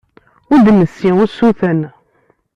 Ur d-nessi usuten.